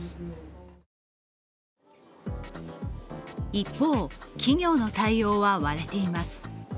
一方、企業の対応は割れています